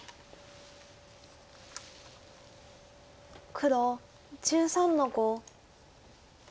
黒１３の五。